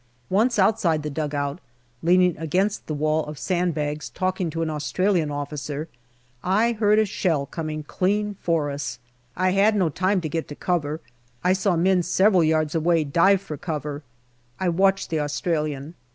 Once, outside the dugout, leaning against the wall of sand bags talking to an Australian officer, I heard a shell coming clean for us. I had no time to get to cover. I saw men several yards away dive for cover. I watched the Australian.